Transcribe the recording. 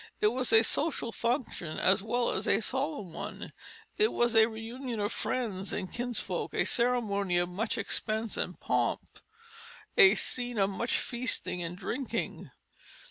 It was a social function as well as a solemn one; it was a reunion of friends and kinsfolk, a ceremonial of much expense and pomp, a scene of much feasting and drinking.